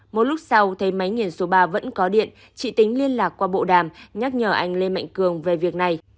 một lúc sau thấy máy nghiền số ba vẫn có điện chị tính liên lạc qua bộ đàm nhắc nhở anh lê mạnh cường về việc này